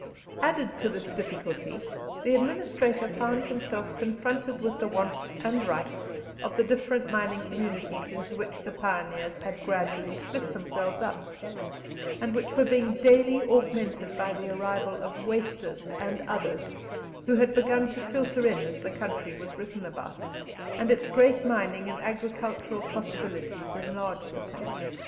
Added to this difficulty, the administrator found himself confronted with the wants and rights of the different mining communities into which the pioneers had gradually split themselves up, and which were being daily augmented by the arrival of "wasters" and others, who had begun to filter in as the country was written about, and its great mining and agricultural possibilities enlarged upon.